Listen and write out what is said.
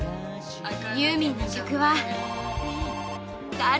ユーミンの曲は。